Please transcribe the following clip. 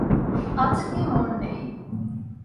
আজকে মন নেই।